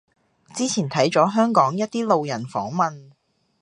之前睇咗香港一啲路人訪問